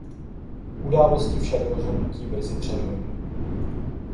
Události však rozhodnutí brzy předhoní.